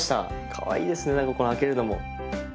かわいいですね何かこの開けるのも。